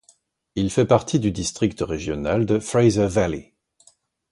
Il fait partie du district régional de Fraser Valley.